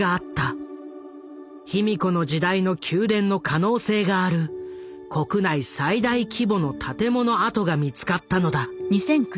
卑弥呼の時代の宮殿の可能性がある国内最大規模の建物跡が見つかったのだ。